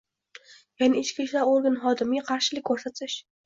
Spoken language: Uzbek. ya’ni ichki ishlar organi xodimiga qarshilik ko‘rsatish.